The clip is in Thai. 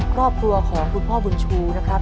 ครอบครัวของคุณพ่อบุญชูนะครับ